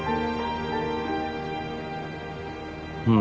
うん。